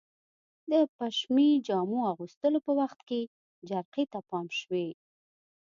د پشمي جامو اغوستلو په وخت کې جرقې ته پام شوی؟